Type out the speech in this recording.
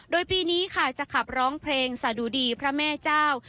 โดยปีนี้ค่ะจะขับร้องเพลงสะดุดีพระแม่เจ้า